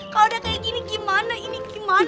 kalau udah kayak gini gimana ini gimana